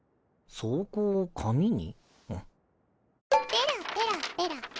ペラペラペラ。